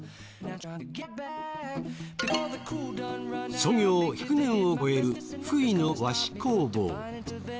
創業１００年を超える福井の和紙工房。